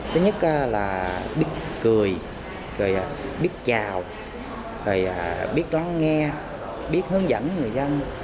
thứ nhất là biết cười rồi biết chào rồi biết lắng nghe biết hướng dẫn người dân